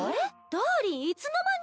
ダーリンいつの間に！